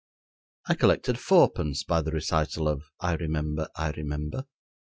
I collected fourpence by the recital of "I remember, I remember."